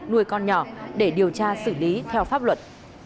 nuôi con nhỏ để điều tra xử lý theo pháp luật